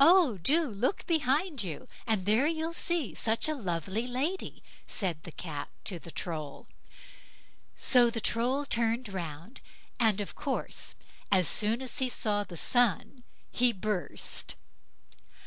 "Oh, do look behind you, and there you'll see such a lovely lady", said the Cat to the Troll. So the Troll turned round, and, of course, as soon as he saw the sun he burst.